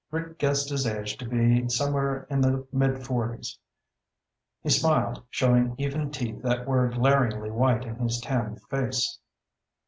Rick guessed his age to be somewhere in the mid forties. He smiled, showing even teeth that were glaringly white in his tanned face.